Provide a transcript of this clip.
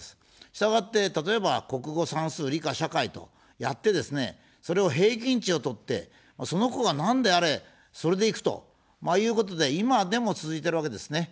したがって、例えば国語、算数、理科、社会とやってですね、それを平均値を取って、その子が何であれ、それでいくということで、今でも続いてるわけですね。